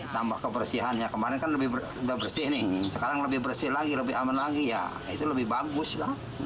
tambah kebersihannya kemarin kan lebih bersih nih sekarang lebih bersih lagi lebih aman lagi ya itu lebih bagus lah